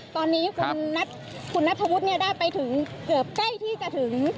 ตอนนี้คุณนัทธวุฒิได้ไปถึงเกือบใกล้ที่จะถึง